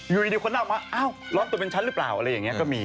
อยู่ดีคนนั้นมันว่าล้อมตัวเป็นฉันหรือเปล่าแบบนี้ก็มี